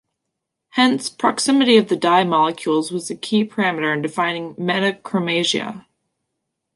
Hence, proximity of the dye molecules was the key parameter in defining metachromasia.